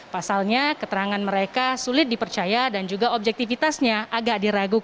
pasalnya keterangan mereka sulit dipercaya dan juga objektifitasnya agak diragukan